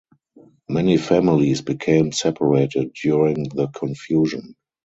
Many families became separated during the confusion.